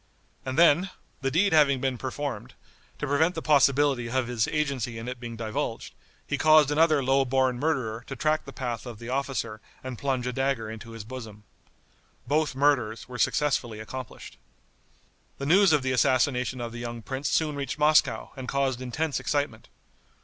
And then, the deed having been performed, to prevent the possibility of his agency in it being divulged, he caused another low born murderer to track the path of the officer and plunge a dagger into his bosom. Both murders were successfully accomplished. The news of the assassination of the young prince soon reached Moscow, and caused intense excitement.